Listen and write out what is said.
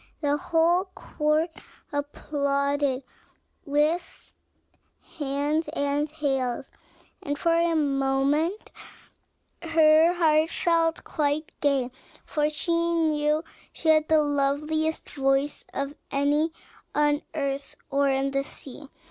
The whole court applauded her with hands and tails; and for a moment her heart felt quite gay, for she knew she had the loveliest voice of any on earth or in the sea.